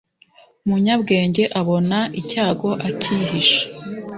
umunyabwenge abona icyago akihisha